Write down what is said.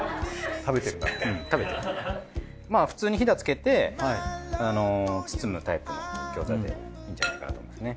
まあ普通にひだつけて包むタイプの餃子でいいんじゃないかなと思いますね